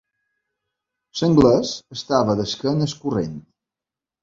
L'anglès estava d'esquena al corrent.